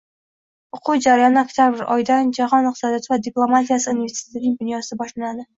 O‘quv jarayoni oktabr oyidan Jahon iqtisodiyoti va diplomatiyasi universitetining binosida boshlanadi